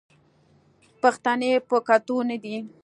پښتنې په کتو نه دي